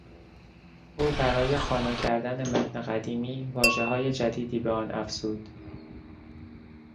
او برای خوانا کردن متن قدیمی واژههای جدیدی به آن افزود.